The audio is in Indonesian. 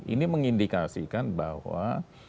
ini mengindikasikan bahwa